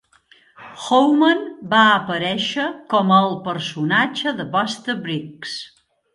Howman va aparèixer com el personatge de Buster Briggs.